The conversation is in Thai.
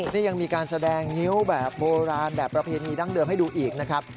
นี่ยังมีการแสดงงิ้วแบบโบราณแบบประเพณีดั้งเดิมให้ดูอีกนะครับ